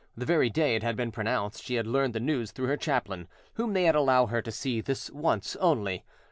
The very day it had been pronounced she had learned the news through her chaplain, whom they had allowed her to see this once only.